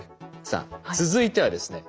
さあ続いてはですね